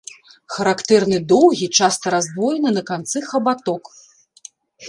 Характэрны доўгі, часта раздвоены на канцы хабаток.